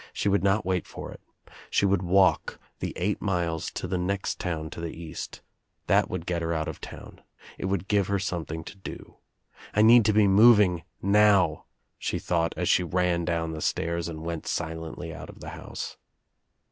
She would not wait for it. She would walk the eight miles to the next town to the east. That would get her out of town. It would give her something to do. "I need to be moving now," she thought as she ran down the stairs and went silently out of the house.